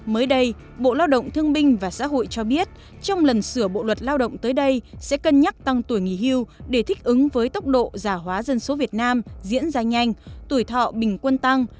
mới đây bộ lao động thương binh và xã hội cho biết trong lần sửa bộ luật lao động tới đây sẽ cân nhắc tăng tuổi nghỉ hưu để thích ứng với tốc độ giả hóa dân số việt nam diễn ra nhanh tuổi thọ bình quân tăng